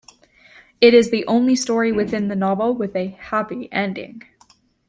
It is the only story within the novel with a "happy ending".